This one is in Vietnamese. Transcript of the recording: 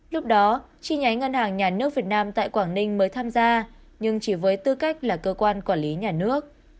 lúc đó chi nhánh ngân hàng nhà nước việt nam tại quảng ninh mới tham gia nhưng chỉ với tư cách là cơ quan quản lý nhà nước